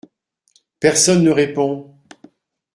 Personne ne répond.